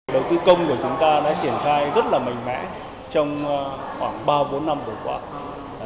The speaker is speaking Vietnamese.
đầu tư công của chúng ta đã triển khai rất là mạnh mẽ trong khoảng ba bốn năm vừa qua